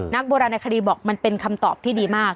นักโบราณคดีบอกมันเป็นคำตอบที่ดีมาก